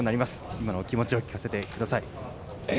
今のお気持ちを聞かせてください。